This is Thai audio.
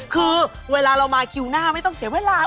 คือเวลาเรามาคิวหน้าไม่ต้องเสียเวลา